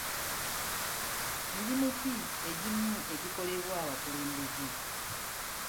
Mirimu ki egimu egikolebwa abakulembeze.